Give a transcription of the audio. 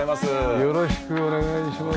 よろしくお願いします。